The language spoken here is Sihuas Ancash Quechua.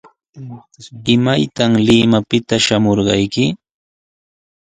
¿Imaytaq Limapita shamurqayki?